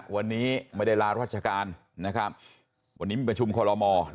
วันนี้ไม่ได้ลารัฐกาล